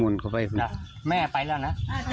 อุ๊ยแม่ไปแล้วแม่ไปแล้วนะ